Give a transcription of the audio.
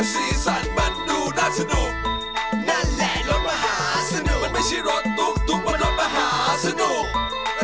สีสันมันดูน่าสนุกนั่นแหละรถมหาสนุกมันไม่ใช่รถตุ๊กบนรถมหาสนุก